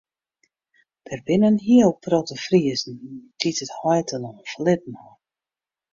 Der binne in hiele protte Friezen dy't it heitelân ferlitten ha.